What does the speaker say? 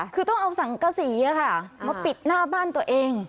คือต้องเอาสังกษีมาปิดหน้าบ้านตัวเอง